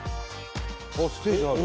あっステージある。